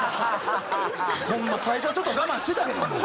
ホンマ最初はちょっと我慢してたけども。